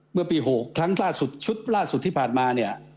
เมื่อปี๖ชุดล่าสุดที่ผ่านมา